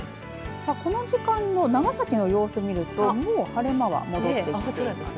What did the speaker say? さあ、この時間の長崎の様子を見るともう晴れ間は、戻っています。